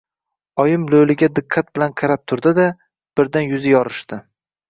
Oyim lo‘liga diqqat bilan qarab turdi-da, birdan yuzi yorishdi.